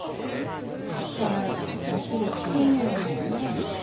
この歌ももうすぐ聴けんようになるね。